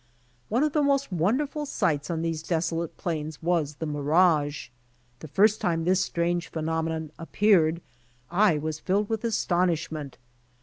One of the most wonderful sights on these deso late plains was the mirage. The first time this strange phenomenon appeared I was filled with astonishment.